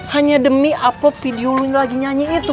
hanya demi upload video lagi nyanyi itu